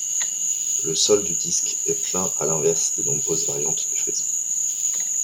Le sol du disque est plein à l'inverse des nombreuses variantes du Frisbee.